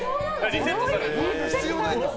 リセットされるんです。